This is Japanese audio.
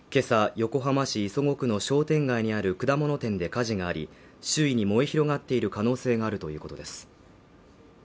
横浜市磯子区の商店街にある果物店で火事があり周囲に燃え広がっている可能性があるということです